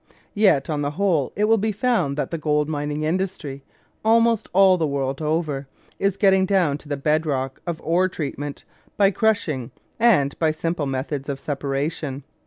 Yet on the whole it will be found that the gold mining industry, almost all the world over, is getting down to the bed rock of ore treatment by crushing and by simple methods of separation.